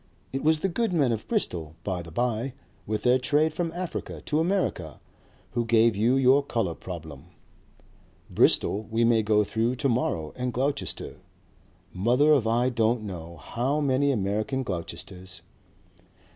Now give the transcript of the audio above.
It was the good men of Bristol, by the bye, with their trade from Africa to America, who gave you your colour problem. Bristol we may go through to morrow and Gloucester, mother of I don't know how many American Gloucesters.